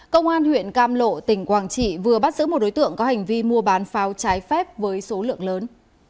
công an huyện cam lộ tỉnh quảng trị vừa bắt giữ một đối tượng có hành vi mua bán pháo trái phép với số lượng lớn